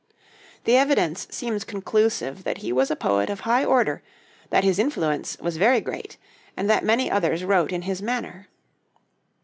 The evidence seems conclusive that he was a poet of high order, that his influence was very great, and that many others wrote in his manner.